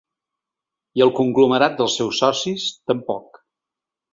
I el conglomerat dels seus socis, tampoc.